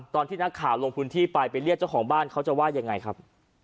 ตอนที่นักข่าวลงพื้นที่ไปไปเรียกเจ้าของบ้านเขาจะว่ายังไงครับ